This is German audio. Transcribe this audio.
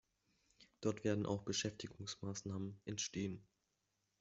Dort werden auch Beschäftigungsmaßnahmen entstehen.